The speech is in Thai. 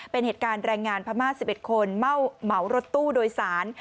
เป็นเหตุการณ์แรงงานพม่า๑๑คนเหมารถตู้โดยสาร